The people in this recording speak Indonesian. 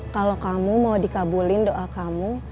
kalau kamu mau dikabulin doa kamu